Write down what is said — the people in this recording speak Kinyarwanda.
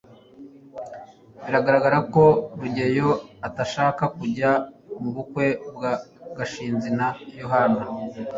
biragaragara ko rugeyo atashakaga kujya mu bukwe bwa gashinzi na yohana